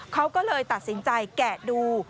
เขาก็เลยตัดสินใจแกะดู